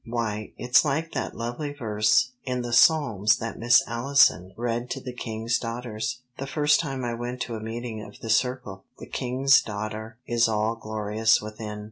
"Why, it's like that lovely verse in the Psalms that Miss Allison read to the King's Daughters, the first time I went to a meeting of the Circle. '_The King's Daughter is all glorious within.